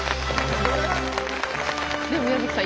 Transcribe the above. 宮崎さん